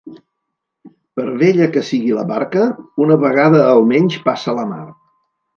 Per vella que sigui la barca, una vegada almenys passa la mar.